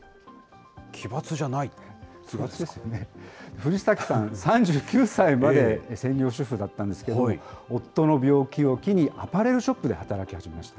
藤崎さん、３９歳まで専業主婦だったんですけれども、夫の病気を機に、アパレルショップで働き始めました。